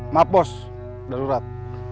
mak bos darurat